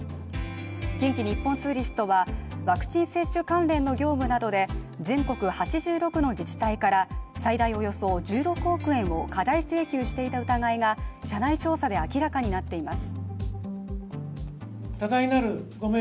近畿日本ツーリストは、ワクチン接種関連の業務などで全国８６の自治体から最大およそ１６億円を過大請求していた疑いが社内調査で明らかになっています。